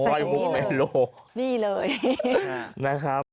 โอ้โหนี่เลยนะครับ